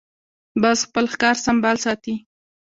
باز خپل ښکار سمبال ساتي